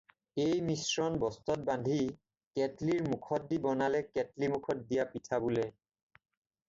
এই মিশ্ৰণ বস্ত্ৰত বান্ধি কেটলিৰ মুখত দি বনালে কেটলীমুখত দিয়া পিঠা বোলে।